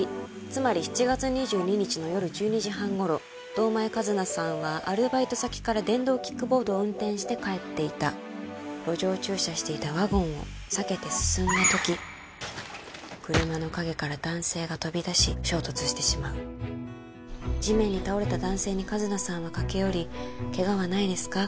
つまり７月２２日の夜１２時半頃堂前一奈さんはアルバイト先から電動キックボードを運転して帰っていた路上駐車していたワゴンを避けて進んだときああっ！車の陰から男性が飛び出し衝突してしまう地面に倒れた男性に一奈さんは駆け寄り「ケガはないですか？